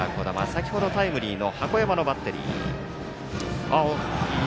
先ほどタイムリーの箱山のバッテリー。